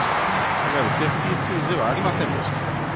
いわゆるセーフティースクイズではありませんでした。